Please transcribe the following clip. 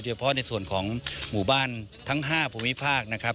ด้วยเพราะในส่วนของหมู่บ้านทั้ง๕ภาคนะครับ